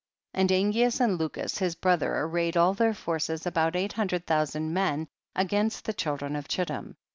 21. And Angeas and Lucus his brother arrayed all their forces, about eight hundred thousand men, against the children of Chittim.